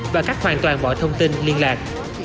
và cắt hoàn toàn mọi thông tin liên lạc